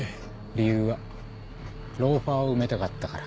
理由はローファーを埋めたかったから？